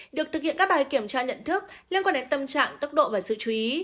được thực hiện các bài kiểm tra nhận thức liên quan đến tâm trạng tốc độ và sự chú ý